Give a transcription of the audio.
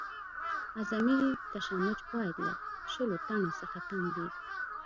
اعظمي تشنج باید له شلو ټنو څخه کم وي